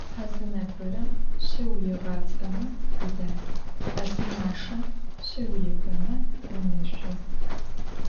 A zı nebgırem şe vuiğapts'eme vudel, a zı maşşem şe vuifeme vuneşsu.